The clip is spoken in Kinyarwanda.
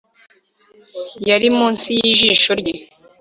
Yari munsi yijisho rye